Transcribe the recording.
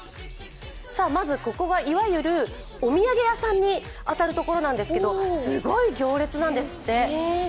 まずここが、いわゆるお土産屋さんに当たるところなんですけどすごい行列なんですって。